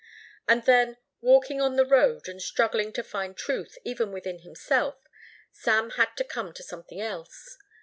And then, walking on the road and struggling to find truth even within himself, Sam had to come to something else.